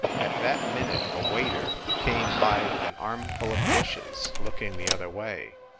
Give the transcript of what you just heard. At that minute a waiter came by with an armful of dishes, looking the other way.